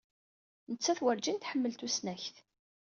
Nettat werǧin tḥemmel tusnakt.